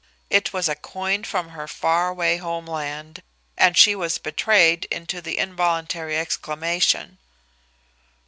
It was a coin from her faraway homeland, and she was betrayed into the involuntary exclamation.